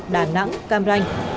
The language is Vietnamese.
đà nẵng cam ranh